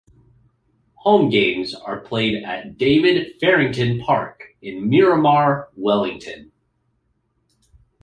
Home games are played at David Farrington Park in Miramar, Wellington.